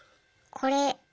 これ。